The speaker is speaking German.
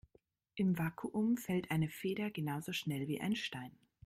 Im Vakuum fällt eine Feder genauso schnell wie ein Stein.